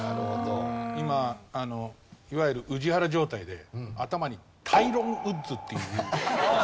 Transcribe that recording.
今いわゆる宇治原状態で頭にタイロン・ウッズっていう。